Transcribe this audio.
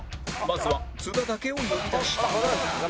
まずは津田だけを呼び出した